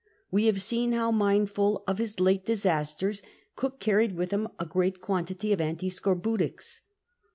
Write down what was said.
We have seen how, mindful of his late disasters, Cook carried with him a great quantity of antiscorbutics.